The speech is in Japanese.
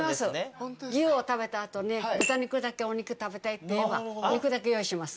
牛を食べた後豚肉だけお肉食べたいって言えば肉だけ用意します。